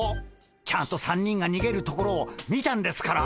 ちゃんと３人がにげるところを見たんですから。